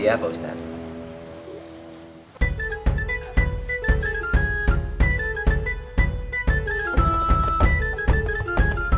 iya pak ustadz